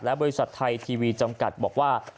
บริษัทไทยทีวีจำกัดบอกว่า